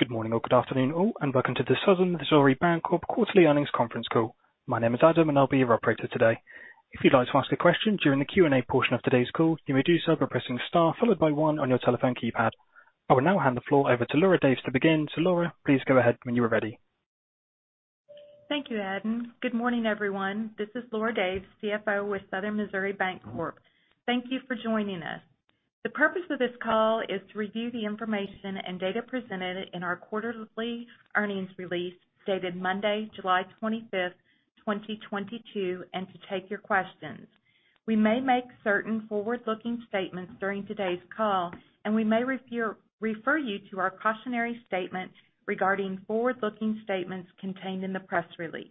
Good morning or good afternoon, all, and welcome to the Southern Missouri Bancorp Quarterly Earnings Conference Call. My name is Adam, and I'll be your operator today. If you'd like to ask a question during the Q&A portion of today's call, you may do so by pressing star followed by one on your telephone keypad. I will now hand the floor over to Lora Daves to begin. Lora, please go ahead when you are ready. Thank you, Adam. Good morning, everyone. This is Lora Daves, CFO with Southern Missouri Bancorp. Thank you for joining us. The purpose of this call is to review the information and data presented in our quarterly earnings release dated Monday, July 25, 2022, and to take your questions. We may make certain forward-looking statements during today's call, and we may refer you to our cautionary statement regarding forward-looking statements contained in the press release.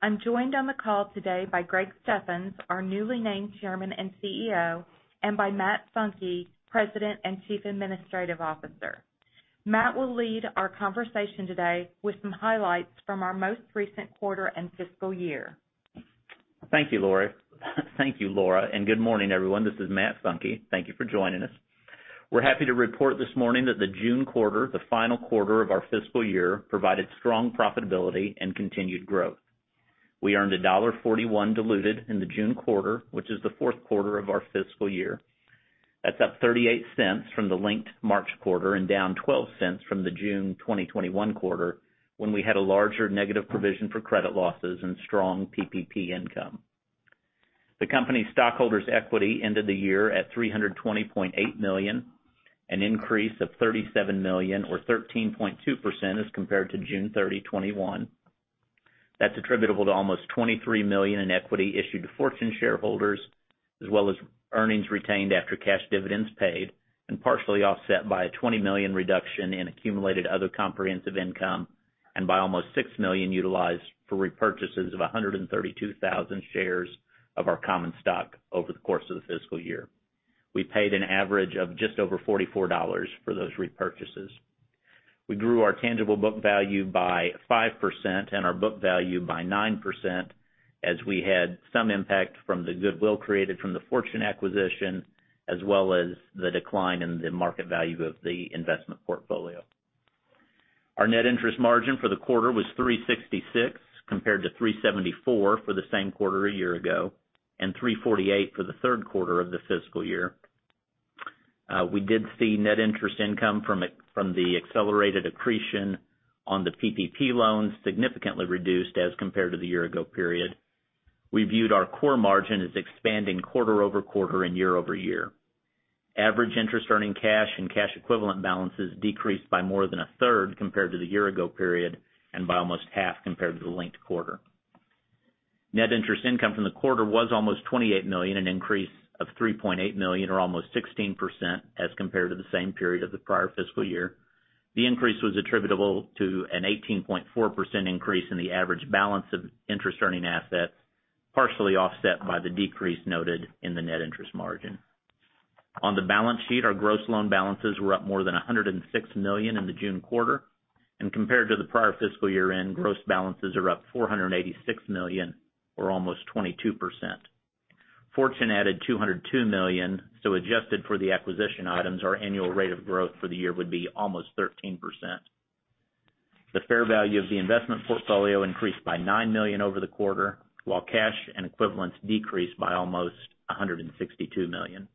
I'm joined on the call today by Greg Steffens, our newly named Chairman and CEO, and by Matt Funke, President and Chief Administrative Officer. Matt will lead our conversation today with some highlights from our most recent quarter and fiscal year. Thank you, Lora. Thank you, Lora, and good morning, everyone. This is Matt Funke. Thank you for joining us. We're happy to report this morning that the June quarter, the final quarter of our fiscal year, provided strong profitability and continued growth. We earned $1.41 diluted in the June quarter, which is the fourth quarter of our fiscal year. That's up $0.38 from the linked March quarter and down $0.12 from the June 2021 quarter when we had a larger negative provision for credit losses and strong PPP income. The company's stockholders' equity ended the year at $320.8 million, an increase of $37 million or 13.2% as compared to June 30, 2021. That's attributable to almost $23 million in equity issued to Fortune shareholders, as well as earnings retained after cash dividends paid and partially offset by a $20 million reduction in accumulated other comprehensive income and by almost $6 million utilized for repurchases of 132,000 shares of our common stock over the course of the fiscal year. We paid an average of just over $44 for those repurchases. We grew our tangible book value by 5% and our book value by 9% as we had some impact from the goodwill created from the Fortune acquisition, as well as the decline in the market value of the investment portfolio. Our net interest margin for the quarter was 3.66%, compared to 3.74% for the same quarter a year ago, and 3.48% for the third quarter of the fiscal year. We did see net interest income from the accelerated accretion on the PPP loans significantly reduced as compared to the year ago period. We viewed our core margin as expanding quarter-over-quarter and year-over-year. Average interest-earning cash and cash-equivalent balances decreased by more than a third compared to the year ago period and by almost half compared to the linked quarter. Net interest income from the quarter was almost $28 million, an increase of $3.8 million or almost 16% as compared to the same period of the prior fiscal year. The increase was attributable to an 18.4% increase in the average balance of interest-earning assets, partially offset by the decrease noted in the net interest margin. On the balance sheet, our gross loan balances were up more than $106 million in the June quarter, and compared to the prior fiscal year-end, gross balances are up $486 million or almost 22%. Fortune added $202 million, so adjusted for the acquisition items, our annual rate of growth for the year would be almost 13%. The fair value of the investment portfolio increased by $9 million over the quarter, while cash and equivalents decreased by almost $162 million.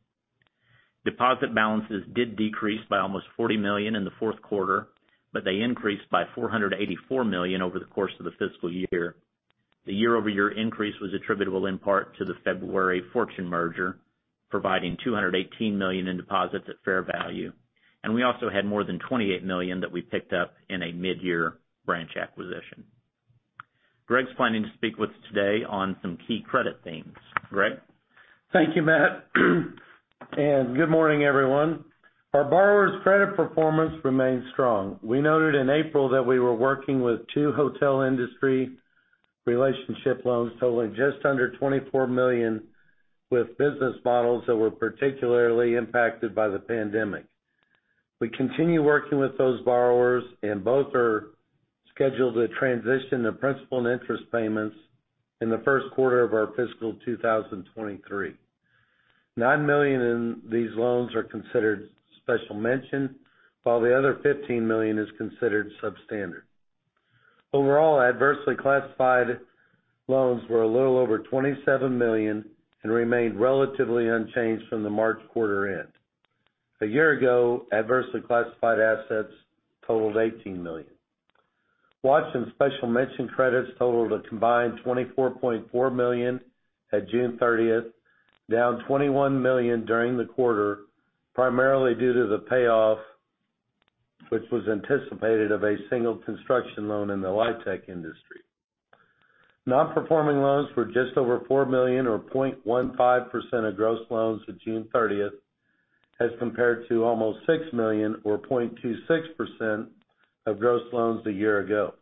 Deposit balances did decrease by almost $40 million in the fourth quarter, but they increased by $484 million over the course of the fiscal year. The year-over-year increase was attributable in part to the February Fortune merger, providing $218 million in deposits at fair value. We also had more than $28 million that we picked up in a midyear branch acquisition. Greg's planning to speak with us today on some key credit themes. Greg? Thank you, Matt. Good morning, everyone. Our borrower's credit performance remains strong. We noted in April that we were working with two hotel industry relationship loans totaling just under $24 million with business models that were particularly impacted by the pandemic. We continue working with those borrowers and both are scheduled to transition to principal and interest payments in the first quarter of our fiscal 2023. $9 million in these loans are considered special mention, while the other $15 million is considered substandard. Overall, adversely classified loans were a little over $27 million and remained relatively unchanged from the March quarter end. A year ago, adversely classified assets totaled $18 million. Watchlist and special mention credits totaled a combined $24.4 million at June 30, down $21 million during the quarter, primarily due to the payoff which was anticipated of a single construction loan in the LiTech industry. Non-performing loans were just over $4 million or 0.15% of gross loans for June 30 as compared to almost $6 million or 0.26% of gross loans a year ago.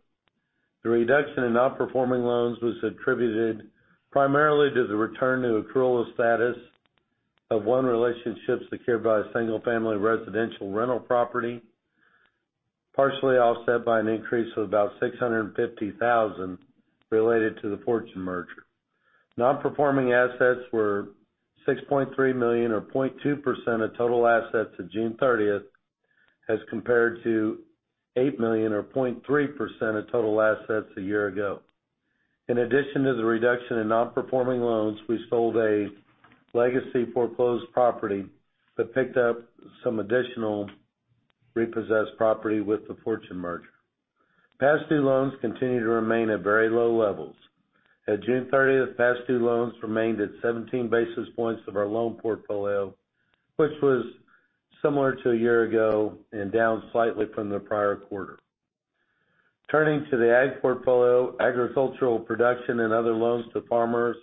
The reduction in non-performing loans was attributed primarily to the return to accrual status of one relationship secured by a single-family residential rental property, partially offset by an increase of about $650,000 related to the Fortune merger. Non-performing assets were $6.3 million or 0.2% of total assets at June 30, as compared to $8 million or 0.3% of total assets a year ago. In addition to the reduction in nonperforming loans, we sold a legacy foreclosed property that picked up some additional repossessed property with the Fortune merger. Past due loans continue to remain at very low levels. At June 30, past due loans remained at 17 basis points of our loan portfolio, which was similar to a year ago and down slightly from the prior quarter. Turning to the ag portfolio, agricultural production and other loans to farmers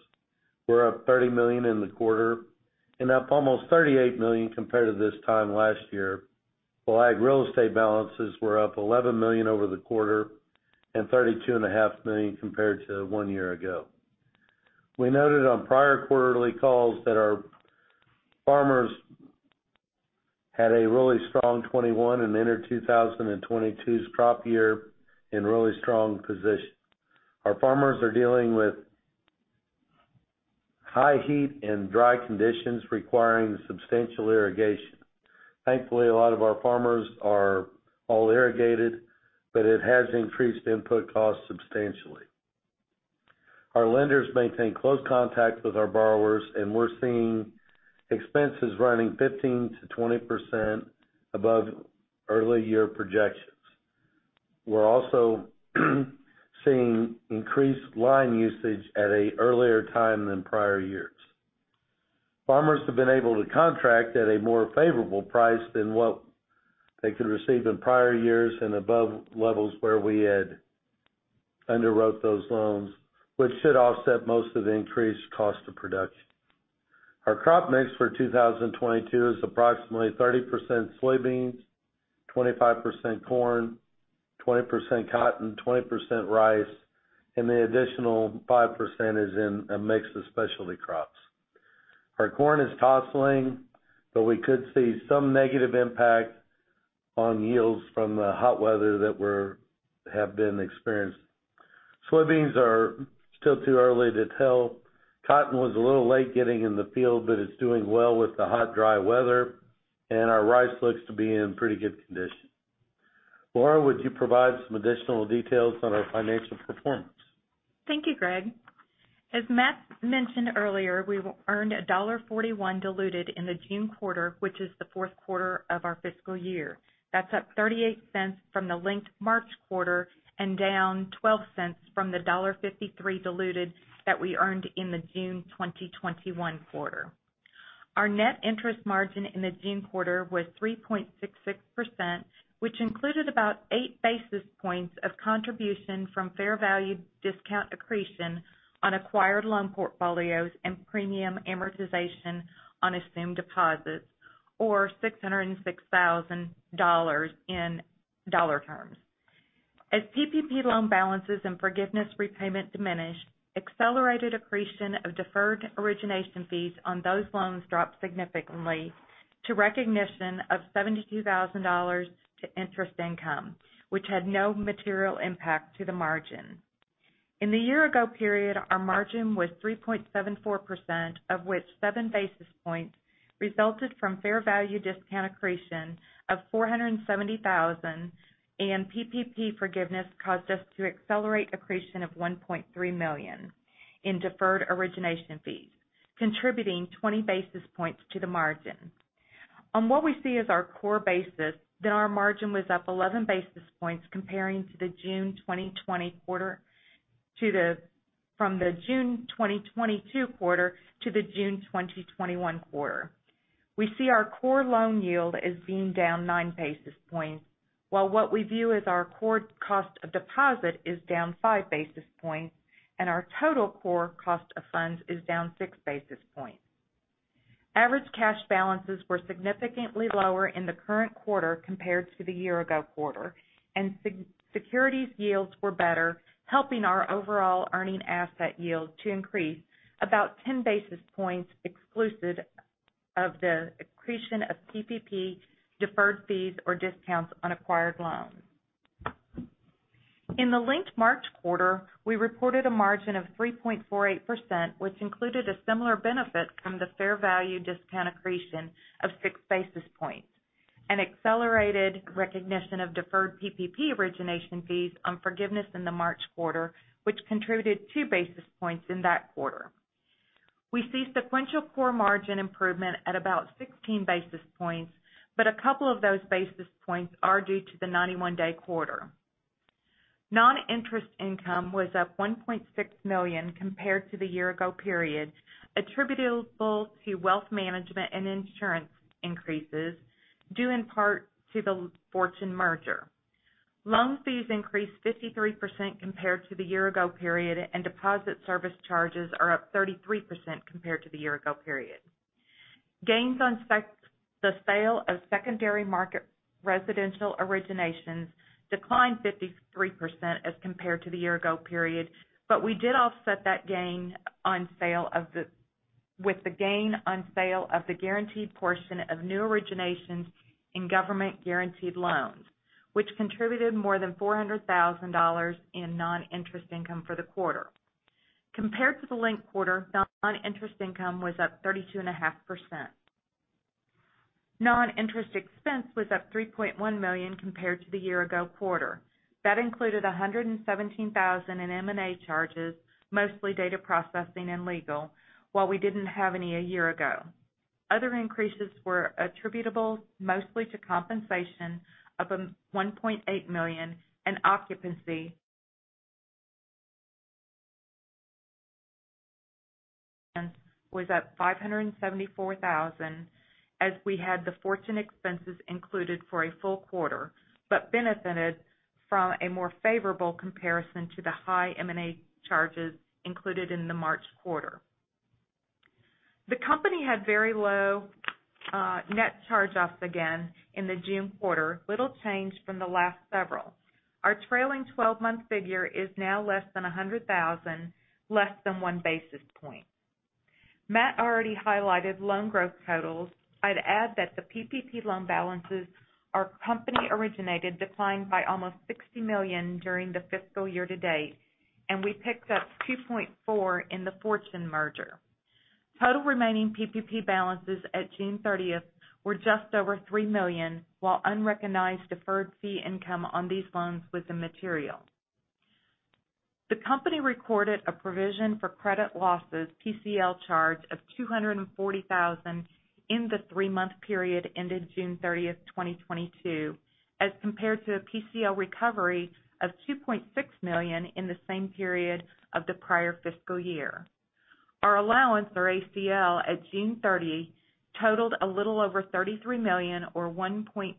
were up $30 million in the quarter and up almost $38 million compared to this time last year, while ag real estate balances were up $11 million over the quarter and $32.5 million compared to one year ago. We noted on prior quarterly calls that our farmers had a really strong 2021 and entered 2022's crop year in really strong position. Our farmers are dealing with high heat and dry conditions requiring substantial irrigation. Thankfully, a lot of our farmers are all irrigated, but it has increased input costs substantially. Our lenders maintain close contact with our borrowers, and we're seeing expenses running 15%-20% above early year projections. We're also seeing increased line usage at an earlier time than prior years. Farmers have been able to contract at a more favorable price than what they could receive in prior years and above levels where we had underwrote those loans, which should offset most of the increased cost of production. Our crop mix for 2022 is approximately 30% soybeans, 25% corn, 20% cotton, 20% rice, and the additional 5% is in a mix of specialty crops. Our corn is tasseling, but we could see some negative impact on yields from the hot weather that we've been experiencing. Soybeans are still too early to tell. Cotton was a little late getting in the field, but it's doing well with the hot, dry weather, and our rice looks to be in pretty good condition. Lora, would you provide some additional details on our financial performance? Thank you, Greg. As Matt mentioned earlier, we earned $1.41 diluted in the June quarter, which is the fourth quarter of our fiscal year. That's up $0.38 from the linked March quarter and down $0.12 from the $1.53 diluted that we earned in the June 2021 quarter. Our net interest margin in the June quarter was 3.66%, which included about 8 basis points of contribution from fair value discount accretion on acquired loan portfolios and premium amortization on assumed deposits, or $606,000 in dollar terms. As PPP loan balances and forgiveness repayment diminished, accelerated accretion of deferred origination fees on those loans dropped significantly to recognition of $72,000 in interest income, which had no material impact to the margin. In the year ago period, our margin was 3.74%, of which seven basis points resulted from fair value discount accretion of $470,000, and PPP forgiveness caused us to accelerate accretion of $1.3 million in deferred origination fees, contributing 20 basis points to the margin. On what we see as our core basis, then our margin was up 11 basis points from the June 2021 quarter to the June 2022 quarter. We see our core loan yield as being down nine basis points, while what we view as our core cost of deposit is down five basis points, and our total core cost of funds is down six basis points. Average cash balances were significantly lower in the current quarter compared to the year-ago quarter, and securities' yields were better, helping our overall earning asset yield to increase about 10 basis points exclusive of the accretion of PPP deferred fees or discounts on acquired loans. In the linked March quarter, we reported a margin of 3.48%, which included a similar benefit from the fair value discount accretion of six basis points, and accelerated recognition of deferred PPP origination fees on forgiveness in the March quarter, which contributed two basis points in that quarter. We see sequential core margin improvement at about 16 basis points, but a couple of those basis points are due to the 91-day quarter. Non-interest income was up $1.6 million compared to the year-ago period, attributable to wealth management and insurance increases, due in part to the Fortune merger. Loan fees increased 53% compared to the year ago period, and deposit service charges are up 33% compared to the year ago period. Gains on the sale of secondary market residential originations declined 53% as compared to the year ago period, but we did offset that with the gain on sale of the guaranteed portion of new originations in government guaranteed loans, which contributed more than $400,000 in non-interest income for the quarter. Compared to the linked quarter, non-interest income was up 32.5%. Non-interest expense was up $3.1 million compared to the year ago quarter. That included $117,000 in M&A charges, mostly data processing and legal, while we didn't have any a year ago. Other increases were attributable mostly to compensation of $1.8 million, and occupancy was up $574,000 as we had the Fortune expenses included for a full quarter, but benefited from a more favorable comparison to the high M&A charges included in the March quarter. The company had very low net charge-offs again in the June quarter, little change from the last several. Our trailing twelve-month figure is now less than $100,000, less than 1 basis point. Matt already highlighted loan growth totals. I'd add that the PPP loan balances our company originated declined by almost $60 million during the fiscal year to date, and we picked up $2.4 million in the Fortune merger. Total remaining PPP balances at June 30 were just over $3 million, while unrecognized deferred fee income on these loans was immaterial. The company recorded a provision for credit losses PCL charge of $240,000 in the three-month period ended June 30, 2022, as compared to a PCL recovery of $2.6 million in the same period of the prior fiscal year. Our allowance or ACL at June 30 totaled a little over $33 million or 1.22%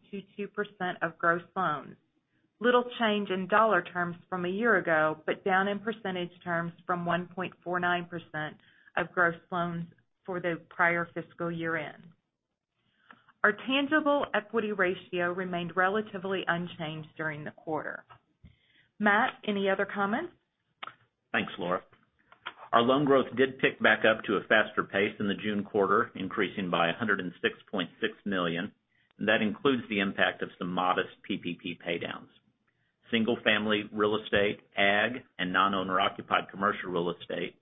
of gross loans. Little change in dollar terms from a year ago, but down in percentage terms from 1.49% of gross loans for the prior fiscal year end. Our tangible equity ratio remained relatively unchanged during the quarter. Matt, any other comments? Thanks, Lora. Our loan growth did pick back up to a faster pace in the June quarter, increasing by $106.6 million, and that includes the impact of some modest PPP paydowns. Single-family real estate, ag, and non-owner occupied commercial real estate,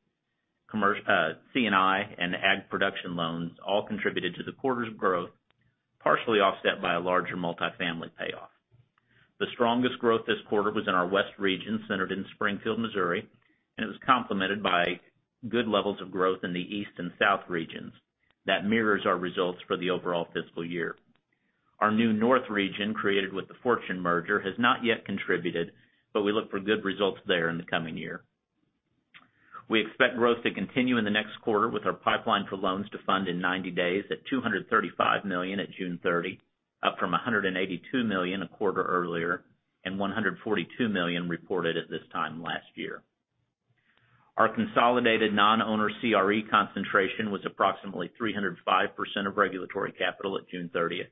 C&I and ag production loans all contributed to the quarter's growth, partially offset by a larger multifamily payoff. The strongest growth this quarter was in our west region, centered in Springfield, Missouri, and it was complemented by good levels of growth in the east and south regions that mirrors our results for the overall fiscal year. Our new north region, created with the Fortune merger, has not yet contributed, but we look for good results there in the coming year. We expect growth to continue in the next quarter with our pipeline for loans to fund in ninety days at $235 million at June 30, up from $182 million a quarter earlier and $142 million reported at this time last year. Our consolidated non-owner CRE concentration was approximately 305% of regulatory capital at June 30th,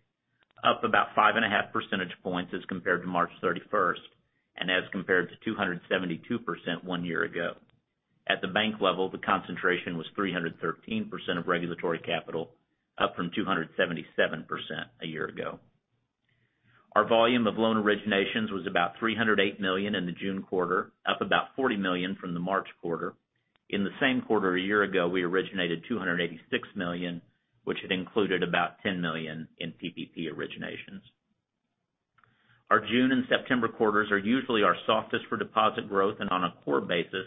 up about 5.5 percentage points as compared to March 31st, and as compared to 272% one year ago. At the bank level, the concentration was 313% of regulatory capital, up from 277% a year ago. Our volume of loan originations was about $308 million in the June quarter, up about $40 million from the March quarter. In the same quarter a year ago, we originated $286 million, which had included about $10 million in PPP originations. Our June and September quarters are usually our softest for deposit growth, and on a core basis,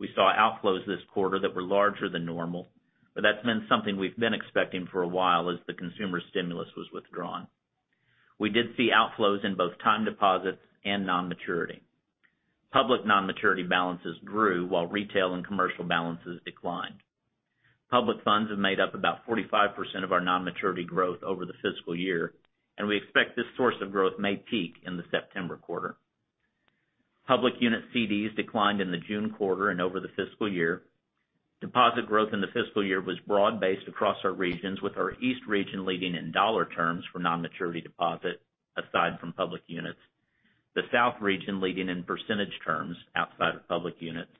we saw outflows this quarter that were larger than normal. That's been something we've been expecting for a while as the consumer stimulus was withdrawn. We did see outflows in both time deposits and non-maturity. Public non-maturity balances grew while retail and commercial balances declined. Public funds have made up about 45% of our non-maturity growth over the fiscal year, and we expect this source of growth may peak in the September quarter. Public unit CDs declined in the June quarter and over the fiscal year. Deposit growth in the fiscal year was broad-based across our regions, with our east region leading in dollar terms for non-maturity deposit aside from public units, the south region leading in percentage terms outside of public units,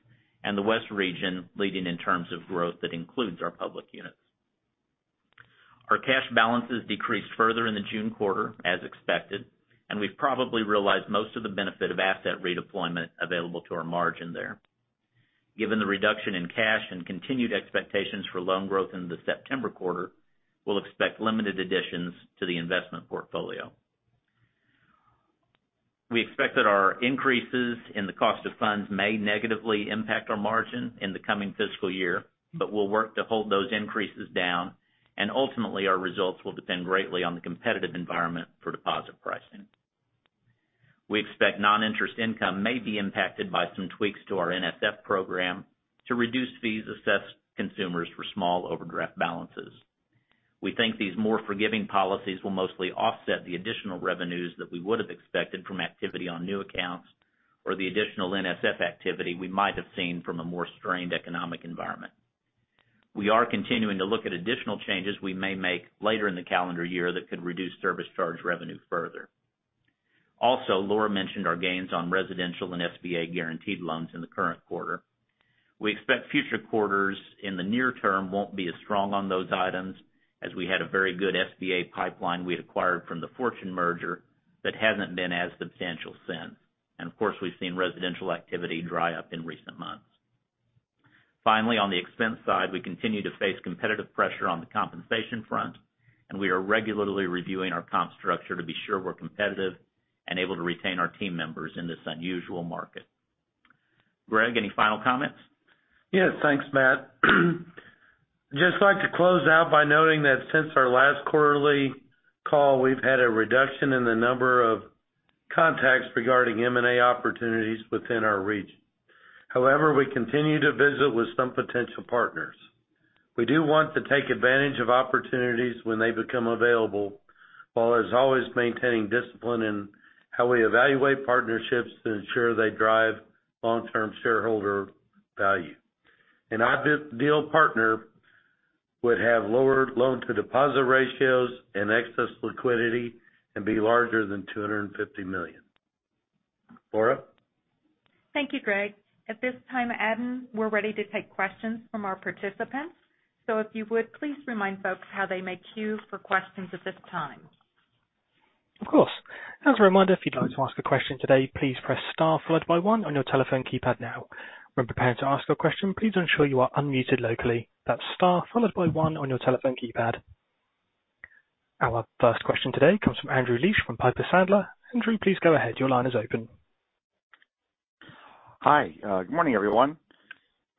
and the west region leading in terms of growth that includes our public units. Our cash balances decreased further in the June quarter as expected, and we've probably realized most of the benefit of asset redeployment available to our margin there. Given the reduction in cash and continued expectations for loan growth in the September quarter, we'll expect limited additions to the investment portfolio. We expect that our increases in the cost of funds may negatively impact our margin in the coming fiscal year, but we'll work to hold those increases down, and ultimately our results will depend greatly on the competitive environment for deposit pricing. We expect non-interest income may be impacted by some tweaks to our NSF program to reduce fees assessed to consumers for small overdraft balances. We think these more forgiving policies will mostly offset the additional revenues that we would have expected from activity on new accounts or the additional NSF activity we might have seen from a more strained economic environment. We are continuing to look at additional changes we may make later in the calendar year that could reduce service charge revenue further. Also, Lora mentioned our gains on residential and SBA guaranteed loans in the current quarter. We expect future quarters in the near term won't be as strong on those items as we had a very good SBA pipeline we'd acquired from the Fortune merger that hasn't been as substantial since. Of course, we've seen residential activity dry up in recent months. Finally, on the expense side, we continue to face competitive pressure on the compensation front, and we are regularly reviewing our comp structure to be sure we're competitive and able to retain our team members in this unusual market. Greg, any final comments? Yes, thanks, Matt. Just like to close out by noting that since our last quarterly call, we've had a reduction in the number of contacts regarding M&A opportunities within our region. However, we continue to visit with some potential partners. We do want to take advantage of opportunities when they become available, while as always, maintaining discipline in how we evaluate partnerships to ensure they drive long-term shareholder value. An ideal partner would have lower loan-to-deposit ratios and excess liquidity and be larger than $250 million. Lora? Thank you, Greg. At this time, Adam, we're ready to take questions from our participants. If you would, please remind folks how they may queue for questions at this time. Of course. As a reminder, if you'd like to ask a question today, please press star followed by one on your telephone keypad now. When preparing to ask a question, please ensure you are unmuted locally. That's star followed by one on your telephone keypad. Our first question today comes from Andrew Liesch from Piper Sandler. Andrew, please go ahead. Your line is open. Hi. Good morning, everyone.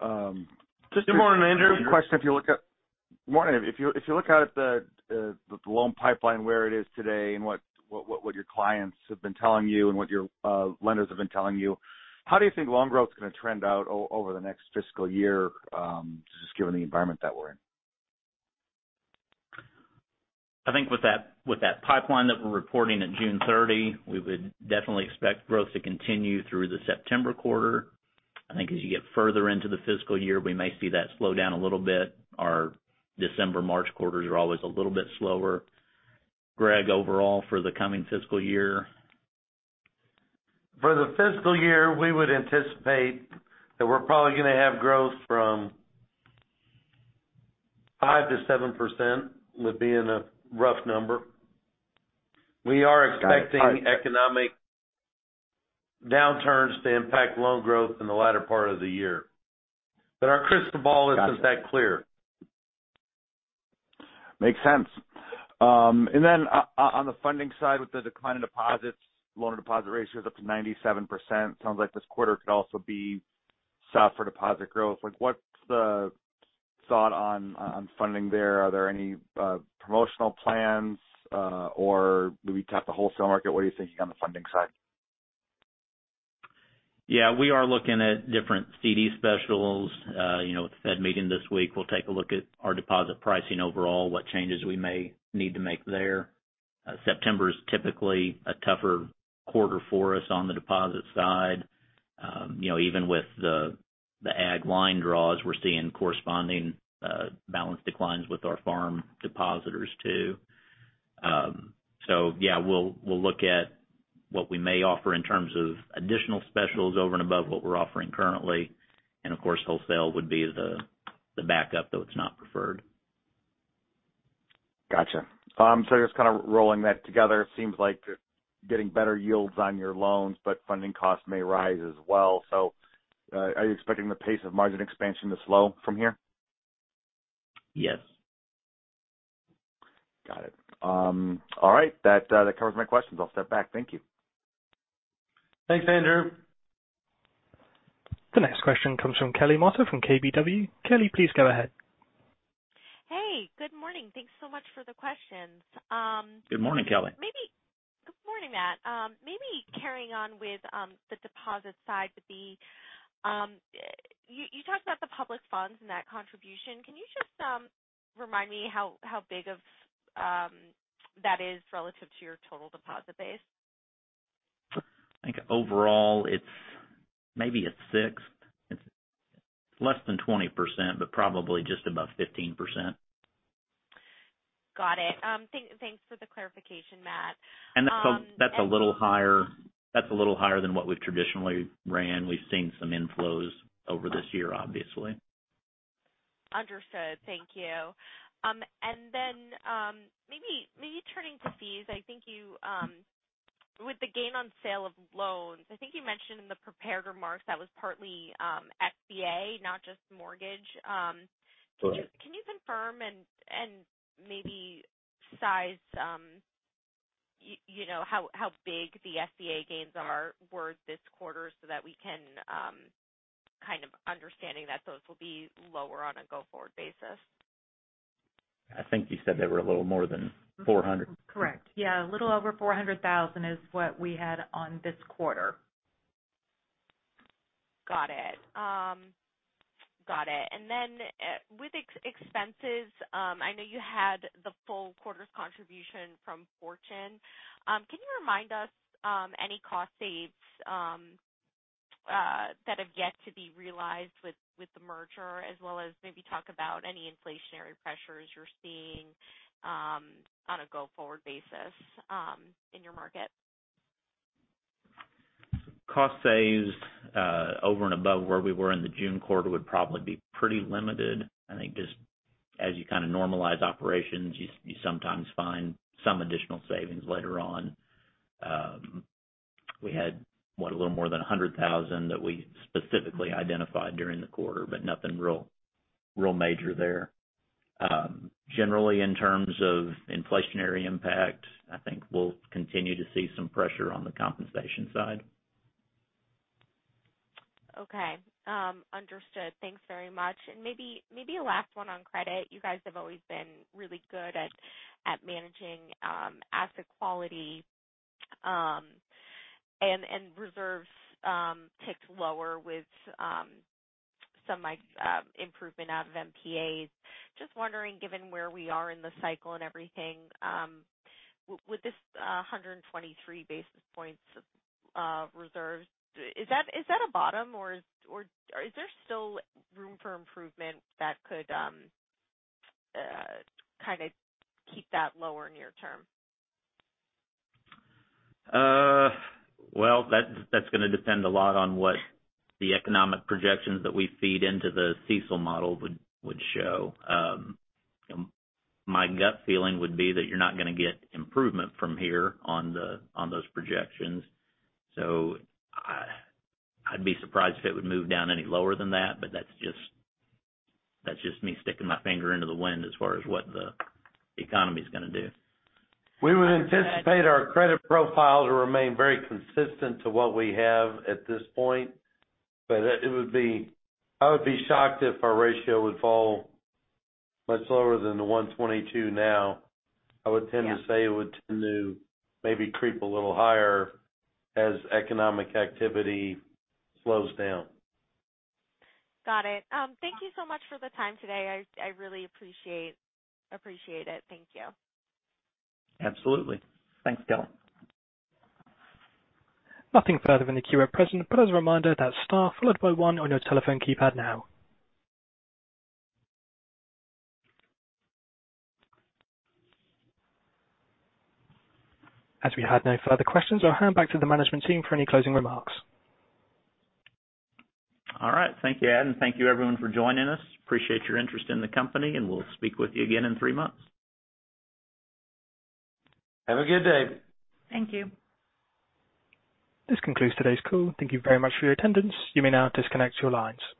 Good morning, Andrew. My question, morning. If you look out at the loan pipeline, where it is today and what your clients have been telling you and what your lenders have been telling you, how do you think loan growth is gonna trend out over the next fiscal year, just given the environment that we're in? I think with that pipeline that we're reporting at June 30, we would definitely expect growth to continue through the September quarter. I think as you get further into the fiscal year, we may see that slow down a little bit. Our December, March quarters are always a little bit slower. Greg, overall for the coming fiscal year? For the fiscal year, we would anticipate that we're probably gonna have growth from 5%-7% would be in a rough number. We are expecting economic downturns to impact loan growth in the latter part of the year. Our crystal ball isn't that clear. Makes sense. On the funding side, with the decline in deposits, loan to deposit ratios up to 97%, sounds like this quarter could also be soft for deposit growth. Like, what's the thought on funding there? Are there any promotional plans, or do we tap the wholesale market? What are you thinking on the funding side? Yeah, we are looking at different CD specials. You know, with the Fed meeting this week, we'll take a look at our deposit pricing overall, what changes we may need to make there. September is typically a tougher quarter for us on the deposit side. You know, even with the ag line draws, we're seeing corresponding balance declines with our farm depositors too. Yeah, we'll look at what we may offer in terms of additional specials over and above what we're offering currently. Of course, wholesale would be the backup, though it's not preferred. Gotcha. Just kind of rolling that together, it seems like you're getting better yields on your loans, but funding costs may rise as well. Are you expecting the pace of margin expansion to slow from here? Yes. Got it. All right, that covers my questions. I'll step back. Thank you. Thanks, Andrew. The next question comes from Kelly Motta from KBW. Kelly, please go ahead. Hey, good morning. Thanks so much for the questions. Good morning, Kelly. Good morning, Matt. Maybe carrying on with the deposit side, you talked about the public funds and that contribution. Can you just remind me how big that is relative to your total deposit base? I think overall it's maybe a sixth. It's less than 20%, but probably just above 15%. Got it. Thanks for the clarification, Matt. That's a little higher than what we've traditionally ran. We've seen some inflows over this year, obviously. Understood. Thank you. Maybe turning to fees, I think you with the gain on sale of loans, I think you mentioned in the prepared remarks that was partly SBA, not just mortgage. Correct. Can you confirm and maybe size, you know, how big the SBA gains were this quarter so that we can kind of understand that those will be lower on a go-forward basis? I think you said they were a little more than $400,000. Correct. Yeah, a little over $400,000 is what we had on this quarter. Got it. With expenses, I know you had the full quarter's contribution from Fortune. Can you remind us any cost saves that have yet to be realized with the merger, as well as maybe talk about any inflationary pressures you're seeing on a go-forward basis in your market. Cost savings over and above where we were in the June quarter would probably be pretty limited. I think just as you kind of normalize operations, you sometimes find some additional savings later on. We had, what, a little more than $100,000 that we specifically identified during the quarter, but nothing real major there. Generally, in terms of inflationary impact, I think we'll continue to see some pressure on the compensation side. Okay. Understood. Thanks very much. Maybe a last one on credit. You guys have always been really good at managing asset quality and reserves ticked lower with some improvement out of MPAs. Just wondering, given where we are in the cycle and everything, with this 123 basis points of reserves, is that a bottom, or is there still room for improvement that could kinda keep that lower near term? Well, that's gonna depend a lot on what the economic projections that we feed into the CECL model would show. My gut feeling would be that you're not gonna get improvement from here on those projections. I'd be surprised if it would move down any lower than that, but that's just me sticking my finger into the wind as far as what the economy is gonna do. We would anticipate our credit profile to remain very consistent to what we have at this point. I would be shocked if our ratio would fall much lower than the 1.22% now. Yeah. I would tend to say it would tend to maybe creep a little higher as economic activity slows down. Got it. Thank you so much for the time today. I really appreciate it. Thank you. Absolutely. Thanks, Kelly. Nothing further in the queue at present, but as a reminder, that's star followed by one on your telephone keypad now. As we have no further questions, I'll hand back to the management team for any closing remarks. All right. Thank you, Adam. Thank you everyone for joining us. Appreciate your interest in the company, and we'll speak with you again in three months. Have a good day. Thank you. This concludes today's call. Thank you very much for your attendance. You may now disconnect your lines.